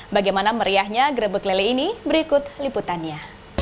bagaimana meriahnya gerebek lele ini berikut liputannya